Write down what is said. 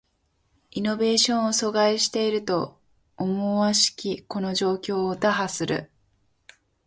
イノベーションを阻害していると思しきこの状況を打破する